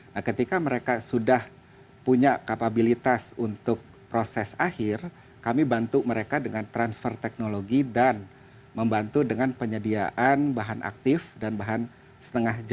nah ketika mereka sudah punya kapabilitas untuk proses akhir kami bantu mereka dengan transfer teknologi dan membantu dengan penyediaan bahan aktif dan bahan setengah